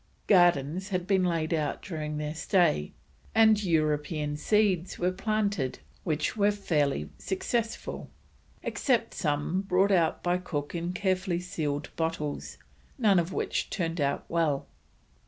Gardens had been laid out during their stay, and European seeds were planted which were very fairly successful; except some brought out by Cook in carefully sealed bottles, none of which turned out well.